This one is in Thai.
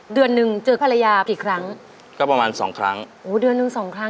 เดือนหนึ่งเจอภรรยากี่ครั้งก็ประมาณสองครั้งโอ้เดือนหนึ่งสองครั้ง